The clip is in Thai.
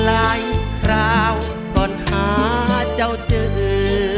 คราวก่อนหาเจ้าเจอ